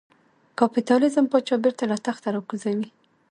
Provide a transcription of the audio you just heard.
کاپیتالېزم پاچا بېرته له تخته را کوزوي.